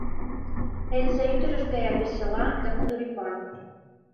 Эльза ӱдырышт гаяк весела да кудыр ӱпан.